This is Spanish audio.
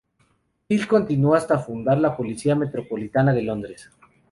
Peel continuó hasta fundar la Policía Metropolitana de Londres.